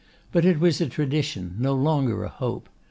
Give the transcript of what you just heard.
But it was a tradition, no longer a hope.